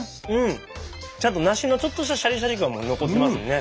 ちゃんと梨のちょっとしたシャリシャリ感も残ってますね。